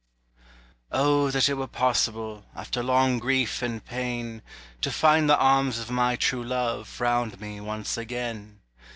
Oh that 't were possible, After long grief and pain, To find the arms of my true love Round me once again!